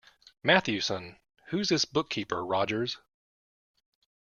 Matthewson, who's this bookkeeper, Rogers.